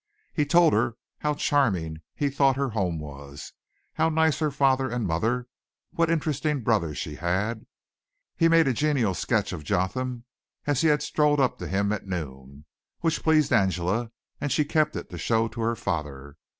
He told her how charming he thought her home was, how nice her father and mother, what interesting brothers she had. He made a genial sketch of Jotham as he had strolled up to him at noon, which pleased Angela and she kept it to show to her father.